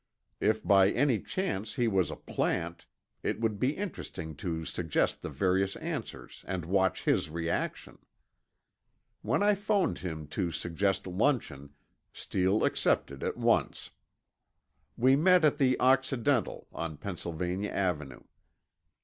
If by any chance he was a plant, it would be interesting to suggest the various answers and watch his reaction. When I phoned him to suggest luncheon, Steele accepted at once. We met at the Occidental, on Pennsylvania Avenue.